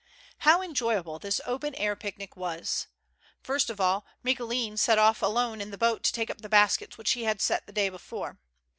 How enjoyable this open air picnic was! First of all Micoulin set off alone in the boat to take up the baskets which he had set the day before.